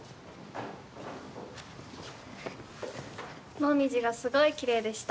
紅葉がすごいきれいでした。